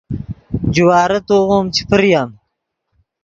جوارے توغیم چے پریم